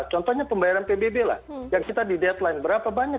contohnya pembayaran pbb lah yang kita di deadline berapa banyak